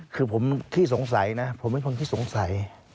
คือผมขี้สงสัยนะผมเป็นคนขี้สงสัย